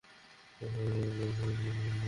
এ বর্শা দিয়ে আপনি কী করেন?